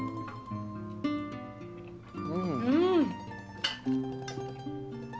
うん。